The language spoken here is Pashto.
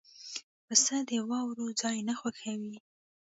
پسه د واورو ځای نه خوښوي.